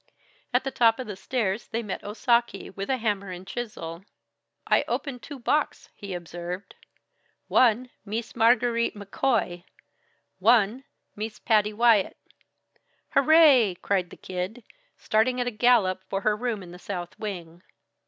At the top of the stairs they met Osaki with a hammer and chisel. "I open two box," he observed. "One Mees Margarite McCoy. One Mees Patty Wyatt." "Hooray!" cried the Kid, starting at a gallop for her room in the South Wing.